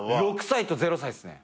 ６歳と０歳っすね。